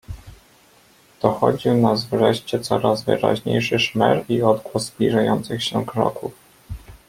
"Dochodził nas wreszcie coraz wyraźniejszy szmer i odgłos zbliżających się kroków."